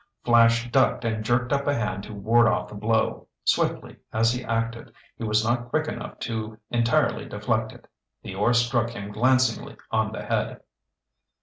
Flash ducked and jerked up a hand to ward off the blow. Swiftly as he acted, he was not quick enough to entirely deflect it. The oar struck him glancingly on the head.